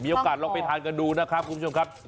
ลองไปทานกันดูนะครับคุณผู้ชมครับ